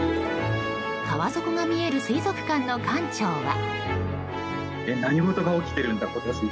川底が見える水族館の館長は。